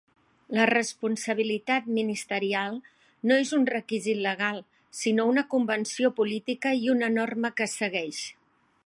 La responsabilitat ministerial no és un requisit legal, sinó una convenció política i una norma que es segueix.